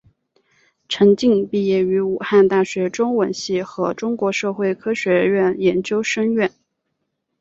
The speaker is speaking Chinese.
陈晋毕业于武汉大学中文系和中国社会科学院研究生院。